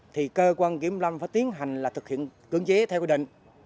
thì cơ quan kiểm lâm phải tiến hành là thực hiện cưỡng chế theo quy định